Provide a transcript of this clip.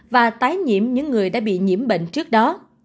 và tái nhiễm những người đã bị nhiễm bệnh trước đó